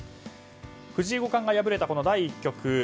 藤井五冠が敗れた第１局。